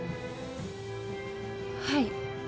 はい。